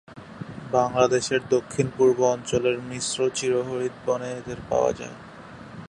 বাংলাদেশের দক্ষিণ-পূর্ব অঞ্চলের মিশ্র-চিরহরিৎ বনে এদের পাওয়া যায়।